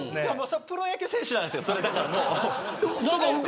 プロ野球選手なんですよそれもう。